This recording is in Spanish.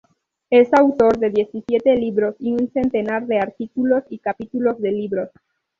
Es autor de diecisiete libros y un centenar de artículos y capítulos de libros.